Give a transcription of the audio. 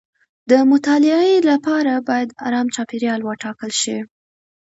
د مطالعې لپاره باید ارام چاپیریال وټاکل شي.